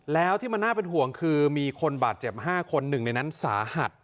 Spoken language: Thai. แล้วที่มันน่าเป็นห่วงคือมีคนบาดเจ็บ๕คนหนึ่งในนั้นสาหัส